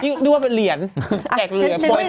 ที่รู้ว่าเป็นเหรียญแกะเลือดบ่อยทาน